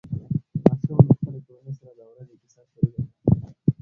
ماشوم له خپلې کورنۍ سره د ورځې کیسه شریکه کړه